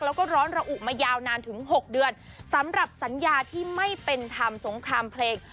แล้วก็ร้อนระอุมายาวนานถึง๖เดือนสำหรับสัญญาที่ไม่เป็นธรรมสงครามเพลง